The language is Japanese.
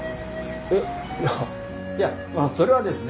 えっいやまあそれはですね。